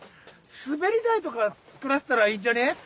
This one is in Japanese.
滑り台とか作らせたらいいんじゃね？